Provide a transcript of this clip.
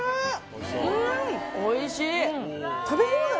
おいしい。